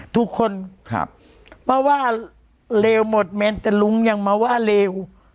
ทุกคนมาว่าเลวหมดแม้แต่ลุงยังมาว่าเลว